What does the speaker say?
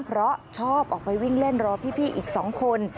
เพราะชอบออกไปวิ่งเล่นรอพี่อีก๒คน